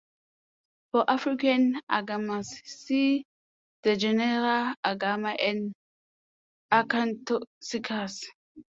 For African agamas see the genera "Agama" and "Acanthocercus".